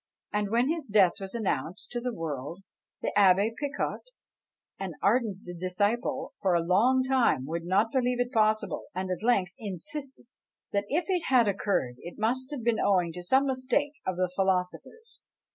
And when his death was announced to the world, the Abbé Picot, an ardent disciple, for a long time would not believe it possible; and at length insisted, that if it had occurred, it must have been owing to some mistake of the philosopher's.